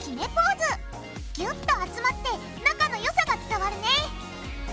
ぎゅっと集まって仲のよさが伝わるね！